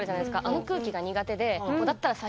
あの空気が苦手で。